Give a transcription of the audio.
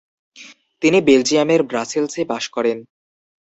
তিনি বেলজিয়ামের ব্রাসেলসে বাস করেন।